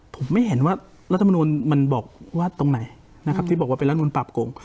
ผมไม่เห็นว่ารัฐมนุนมันบอกว่าตรงไหนนะครับที่บอกว่าเป็นรัฐมนุนปราบโกง